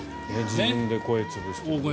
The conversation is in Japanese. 自分で声を潰したと。